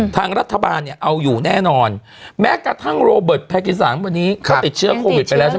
ทางรัฐบาลเนี่ยเอาอยู่แน่นอนแม้กระทั่งโรเบิร์ตแพกิ๓วันนี้เขาติดเชื้อโควิดไปแล้วใช่ไหม